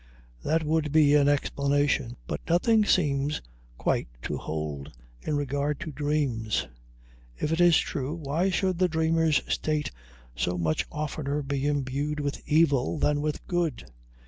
That would be an explanation, but nothing seems quite to hold in regard to dreams. If it is true, why should the dreamer's state so much oftener be imbued with evil than with good?